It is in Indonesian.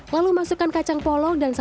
lalu masukkan kacang polong dan kacang putih